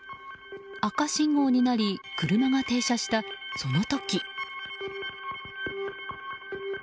赤信号になり車が停車したその時。